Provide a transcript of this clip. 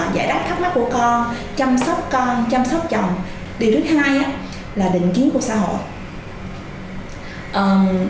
điều thứ hai là định chiến của xã hội